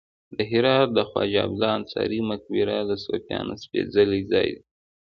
د هرات د خواجه عبدالله انصاري مقبره د صوفیانو سپیڅلی ځای دی